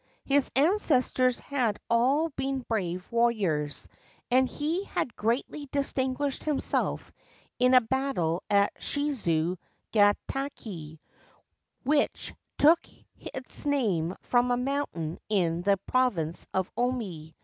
His ancestors had all been brave warriors, and he had greatly distinguished himself in a battle at Shizu gatake, which took its name from a mountain in the province of Omi.